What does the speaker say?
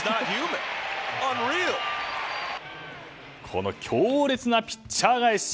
この強烈なピッチャー返し。